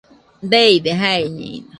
Deide, jaiñeno.